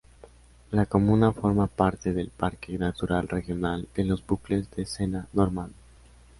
La comuna forma parte del Parque natural regional de los Bucles del Sena normando.